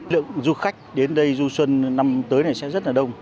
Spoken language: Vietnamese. lượng du khách đến đây du xuân năm tới này sẽ rất là đông